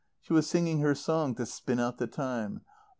She was singing her sons to spin out the time.